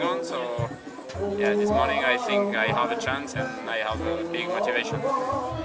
jadi hari ini saya berhasil dan saya memiliki motivasi besar